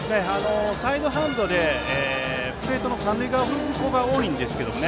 サイドハンドでプレートの三塁側を踏む子が多いんですけどね